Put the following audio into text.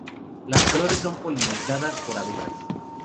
Las flores son polinizadas por abejas.